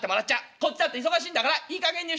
こっちだって忙しいんだからいいかげんにしておくれ！』